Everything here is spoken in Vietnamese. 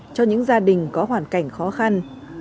cho những gia đình có hoàn cảnh khó khăn